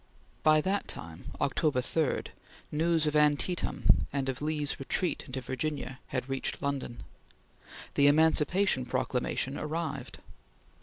By that time, October 3, news of Antietam and of Lee's retreat into Virginia had reached London. The Emancipation Proclamation arrived.